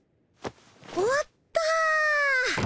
終わった！